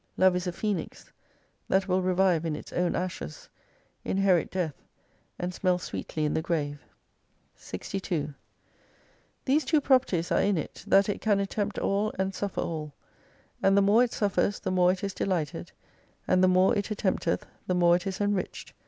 Love is a Phoenix 285 ihat will revive in its own ashes, inherit death, and smell sweetly in the grave. 62 These tv/o properties are in it — that it can attempt all and suffer aU. And the more it suffers the more it is delighted, and the more it attempteth the more it is enriched.